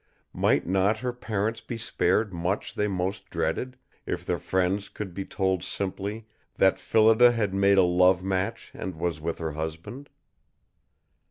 Might not her parents be spared much they most dreaded, if their friends could be told simply that Phillida had made a love match and was with her husband?